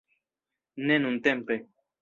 Ne nuntempe